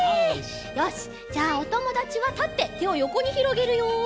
よしじゃあおともだちはたっててをよこにひろげるよ。